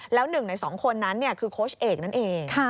แล้ว๑ใน๒คนนั้นคือโค้ชเอกนั่นเอง